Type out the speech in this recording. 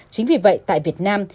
chính vì vậy tại việt nam